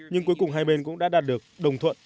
nhưng cuối cùng hai bên cũng đã đạt được đồng thuận